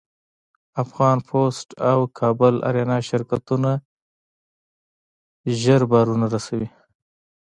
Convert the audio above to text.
افغان پسټ او کابل اریانا شرکتونه زر بارونه رسوي.